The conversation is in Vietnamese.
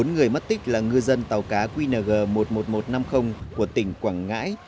bốn người mất tích là ngư dân tàu cá qng một mươi một nghìn một trăm năm mươi của tỉnh quảng ngãi